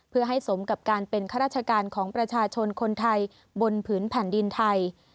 เพื่อให้สมกับการเป็นข้าราชการของประชาชนคนไทยบนผืนแผ่นดินไทย